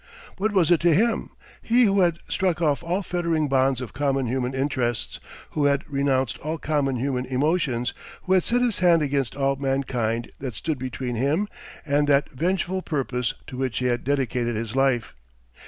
What was it to him? He who had struck off all fettering bonds of common human interests, who had renounced all common human emotions, who had set his hand against all mankind that stood between him and that vengeful purpose to which he had dedicated his life!